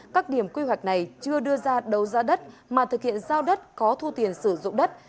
các điểm quy hoạch này chưa đưa ra đấu giá đất mà thực hiện giao đất có thu tiền sử dụng đất